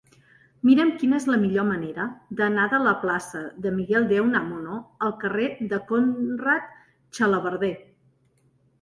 Mira'm quina és la millor manera d'anar de la plaça de Miguel de Unamuno al carrer de Conrad Xalabarder.